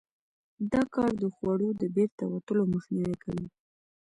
دا کار د خوړو د بیرته وتلو مخنیوی کوي.